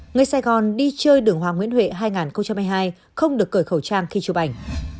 người sài gòn đi chơi đường hoàng nguyễn huệ hai nghìn hai mươi hai không được cởi khẩu trang khi chụp ảnh